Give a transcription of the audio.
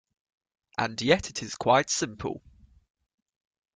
And yet it is quite simple.